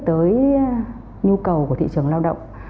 tới nhu cầu của thị trường lao động